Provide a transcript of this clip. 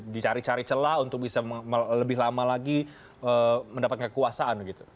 dicari cari celah untuk bisa lebih lama lagi mendapat kekuasaan gitu